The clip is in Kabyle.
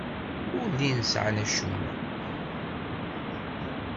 Ur llin sɛan acemma.